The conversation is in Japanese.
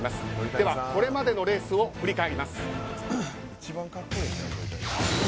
では、これまでのレースを振り返ります。